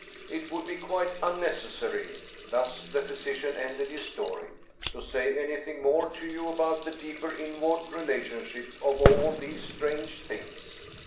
" It would be quite unnecessary," thus the physician ended his story, " to say anything more to you about the deeper inward relationship of all these strange things.